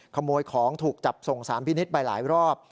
ขโมยของถูกจับส่งสารพินิษฐ์ไปหลายรอบ